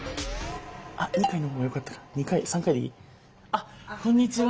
あっこんにちは。